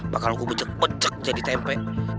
bakal gue becek becek jadi tempe